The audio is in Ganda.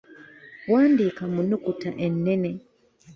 Wandiika mu nnukuta ennene.